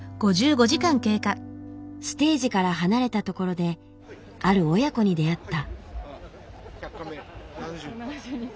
ステージから離れた所である親子に出会った。